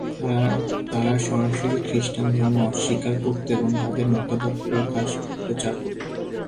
তারা সরাসরি খ্রিস্টান ধর্ম অস্বীকার করত এবং তাদের মতামত প্রচার করত।